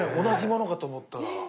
同じものかと思ったら。